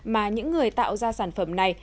mà những người tạo ra sản phẩm này